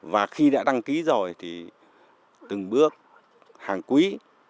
và khi đã đăng ký rồi thì từng bước hàng quý